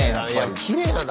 きれいだな。